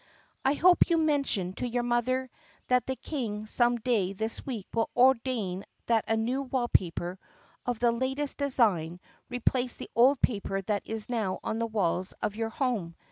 "I hope you mentioned to your mother that the King some day this week will ordain that new wall paper — of the latest design — replace the old paper that is now on the walls of your home.